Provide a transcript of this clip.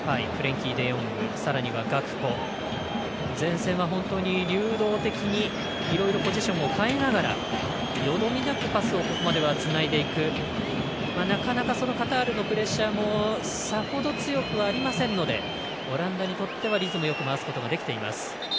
前線は流動的にいろいろポジションも変えながらよどみなくパスをつないでいくなかなかカタールのプレッシャーもさほど強くありませんのでオランダにとってはリズムよく回すことができています。